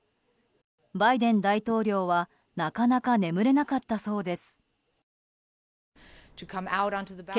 バイデン大統領はなかなか眠れなかったそうです。